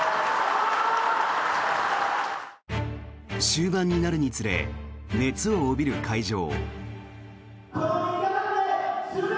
終盤になるにつれ熱を帯びる会場。